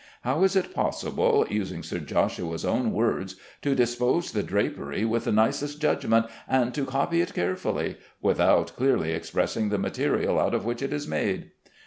How is it possible (using Sir Joshua's own words) to "dispose the drapery with the nicest judgment, and to copy it carefully," without clearly expressing the material out of which it is made?